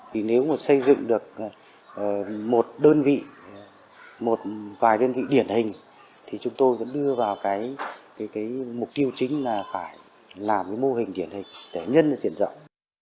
vì nếu mà xây dựng được một đơn vị một vài đơn vị điển hình thì chúng tôi vẫn đưa vào cái mục tiêu chính là phải làm cái mô hình điển hình để nhân diện rộng